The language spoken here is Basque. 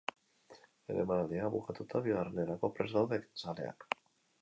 Lehen emanaldia bukatuta, bigarrenerako prest daude zaleak.